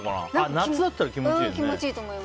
夏だったら気持ちいいよね。